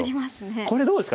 これどうですか。